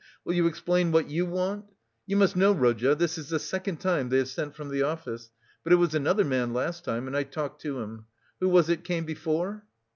"Will you explain what you want? You must know, Rodya, this is the second time they have sent from the office; but it was another man last time, and I talked to him. Who was it came before?"